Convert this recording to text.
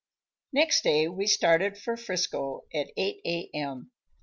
Next day we started for 'Frisco at eight a. m.